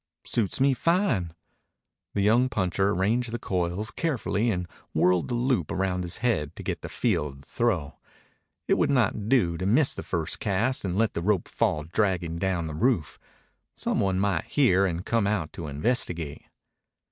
"Suits me fine." The young puncher arranged the coils carefully and whirled the loop around his head to get the feel of the throw. It would not do to miss the first cast and let the rope fall dragging down the roof. Some one might hear and come out to investigate.